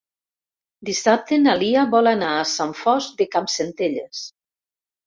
Dissabte na Lia vol anar a Sant Fost de Campsentelles.